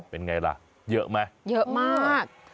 เป็นไงล่ะเยอะไหมเยอะมาก